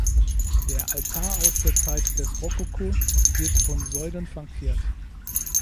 Der Altar aus der Zeit des Rokoko wird von Säulen flankiert.